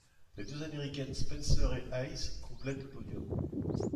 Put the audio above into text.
Les deux Américaines Spencer et Hayes complètent le podium.